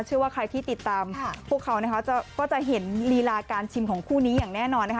เชื่อว่าใครที่ติดตามพวกเขาก็จะเห็นลีลาการชิมของคู่นี้อย่างแน่นอนนะคะ